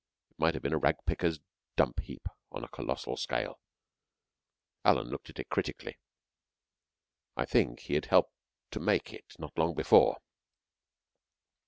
It might have been a rag picker's dump heap on a colossal scale. Alan looked at it critically. I think he had helped to make it not long before.